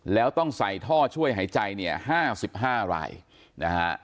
แล้วต้องใส่ท่อช่วยหายใจเนี่ยห้าสิบห้ารายนะฮะ